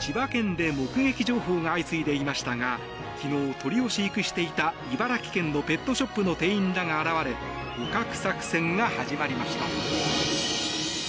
千葉県で目撃情報が相次いでいましたが昨日、鳥を飼育していた茨城県のペットショップの店員らが現れ捕獲作戦が始まりました。